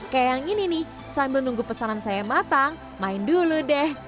kayak yang ini nih sambil nunggu pesanan saya matang main dulu deh